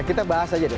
nah kita bahas aja deh